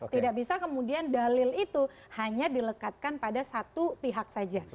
tidak bisa kemudian dalil itu hanya dilekatkan pada satu pihak saja